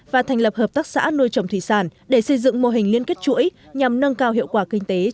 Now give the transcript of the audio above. và thành lập hợp tác xã nuôi trồng thủy sản để xây dựng mô hình liên kết chuỗi nhằm nâng cao hiệu quả kinh tế cho gia đình